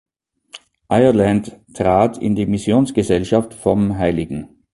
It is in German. Ireland trat in die Missionsgesellschaft vom hl.